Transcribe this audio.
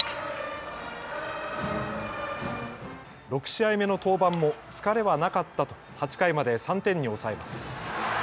６試合目の登板も疲れはなかったと８回まで３点に抑えます。